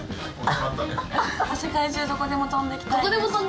世界中どこでも飛んでいきたいです。